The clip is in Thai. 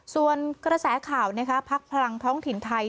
ส่วนกระแสข่าวพักพลังท้องถิ่นไทย